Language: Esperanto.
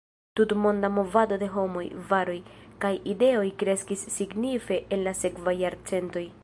Tutmonda movado de homoj, varoj, kaj ideoj kreskis signife en la sekvaj jarcentoj.